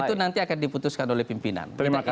itu nanti akan diputuskan oleh pimpinan